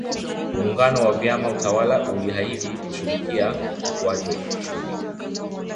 Muungano wa vyama tawala ulihahidi kushughulikia ukuaji wa kiuchumi